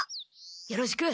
よろしく。